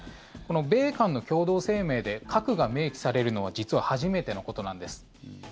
米韓の共同声明で核が明記されるのは実は初めてのことなんです。